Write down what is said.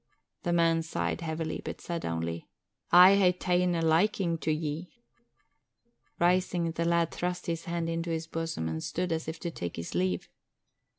The man sighed heavily but said only, "I hae ta'en a likin' to ye." Rising, the lad thrust his hand into his bosom and stood as if to take his leave.